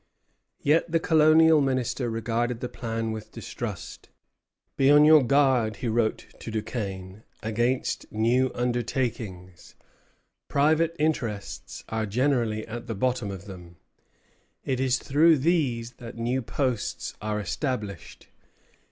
Yet the Colonial Minister regarded the plan with distrust. "Be on your guard," he wrote to Duquesne, "against new undertakings; private interests are generally at the bottom of them. It is through these that new posts are established.